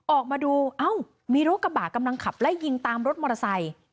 ออกมาดูเอ้ามีรถกระบะกำลังขับไล่ยิงตามรถมอเตอร์ไซค์